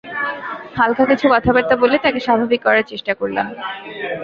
হালকা কিছু কথাবার্তা বলে তাকে স্বাভাবিক করার চেষ্টা করলাম।